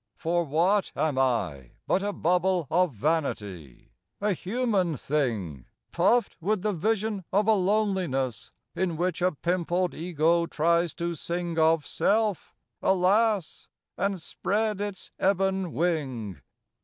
For what am I But a bubble of vanity, a human thing Puffed with the vision of a loneliness In which a pimpled Ego tries to sing Of Self, alas! and spread its ebon wing.